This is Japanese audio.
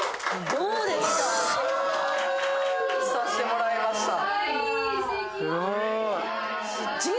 着さしてもらいました